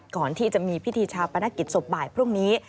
ก่อนที่จะมีพิธีชาปนกิจศพบ่ายพรุ่งนี้